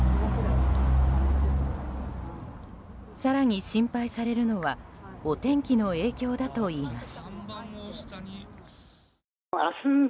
更に心配されるのはお天気の影響だといいます。